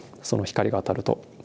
その光が当たると。